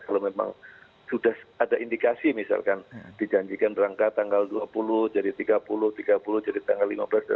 kalau memang sudah ada indikasi misalkan dijanjikan berangkat tanggal dua puluh jadi tiga puluh tiga puluh jadi tanggal lima belas